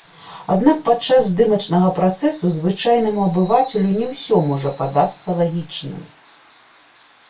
Аднак падчас здымачнага працэсу звычайнаму абывацелю не ўсё можа падасца лагічным.